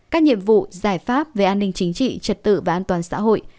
các nhiệm vụ giải pháp về an ninh chính trị trật tự và an toàn xã hội